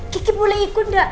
kiki boleh ikut gak